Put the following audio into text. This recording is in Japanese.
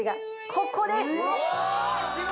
ここです。